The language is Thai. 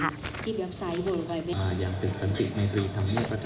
อย่างเต็มสันติกในธรีธรรมเนี่ยพระเจ้า